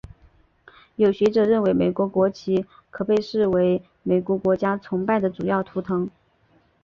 有学者认为美国国旗可被视为美国国家崇拜的主要图腾。